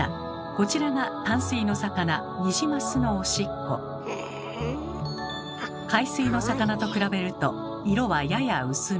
こちらが淡水の魚海水の魚と比べると色はやや薄め。